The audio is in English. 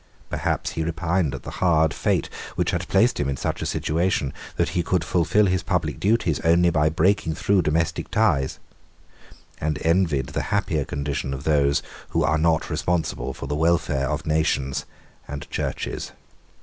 Perhaps he repined at the hard fate which had placed him in such a situation that he could fulfil his public duties only by breaking through domestic ties, and envied the happier condition of those who are not responsible for the welfare of nations and Churches.